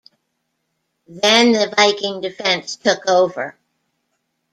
Then the Viking defense took over.